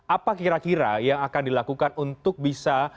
apa kira kira yang akan dilakukan untuk bisa